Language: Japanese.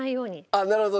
あっなるほど。